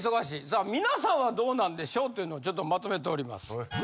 さあ皆さんはどうなんでしょうというのをちょっとまとめております。